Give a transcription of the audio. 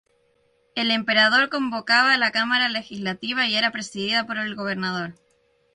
El emperador convocaba la cámara legislativa y era presidida por el gobernador.